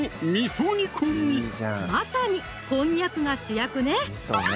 まさにこんにゃくが主役ね！